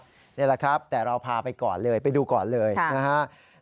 นี่แหละครับแต่เราพาไปก่อนเลยไปดูก่อนเลยนะครับ